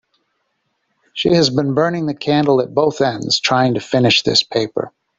She has been burning the candle at both ends trying to finish this paper.